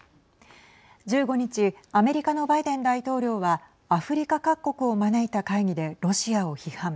１５日アメリカのバイデン大統領はアフリカ各国を招いた会議でロシアを批判。